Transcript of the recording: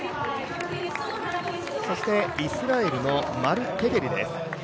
そして、イスラエルのテフェリです。